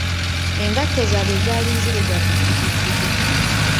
Engatto zaabwe zaali nzirugavu zzigizigi!